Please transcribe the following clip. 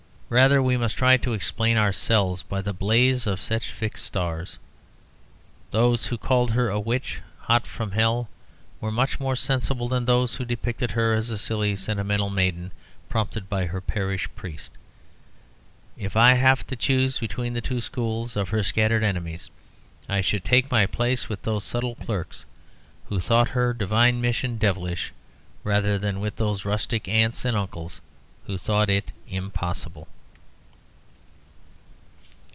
Rather we must try to explain ourselves by the blaze of such fixed stars. Those who called her a witch hot from hell were much more sensible than those who depict her as a silly sentimental maiden prompted by her parish priest. If I have to choose between the two schools of her scattered enemies, I could take my place with those subtle clerks who thought her divine mission devilish, rather than with those rustic aunts and uncles who thought it impossible.